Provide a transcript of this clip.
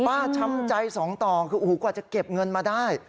ช้ำใจสองต่อคือโอ้โหกว่าจะเก็บเงินมาได้